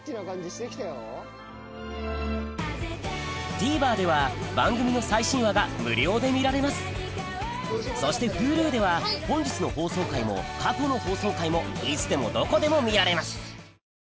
ＴＶｅｒでは番組の最新話が無料で見られますそしてＨｕｌｕでは本日の放送回も過去の放送回もいつでもどこでも見られます